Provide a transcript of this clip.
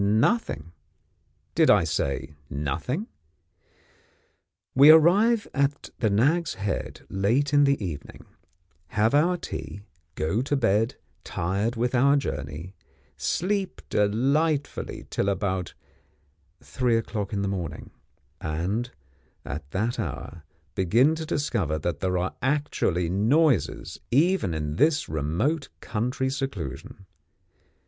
Nothing! Did I say Nothing? We arrive at the Nag's Head late in the evening, have our tea, go to bed tired with our journey, sleep delightfully till about three o'clock in the morning, and, at that hour, begin to discover that there are actually noises, even in this remote country seclusion.